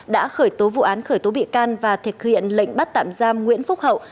đã khởi tố vụ án khởi tố bị can và thực hiện lệnh bắt tạm giam nguyễn phúc hậu